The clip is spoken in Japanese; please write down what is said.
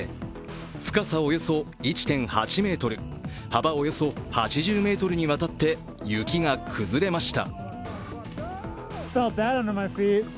深さおよそ１．８ｍ、幅およそ８０ｍにわたって雪が崩れました。